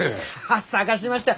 探しましたよ。